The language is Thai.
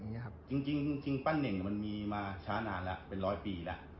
จริงจริงปั้นเน่งมันมีมาช้านานแล้วเป็นร้อยปีแล้ว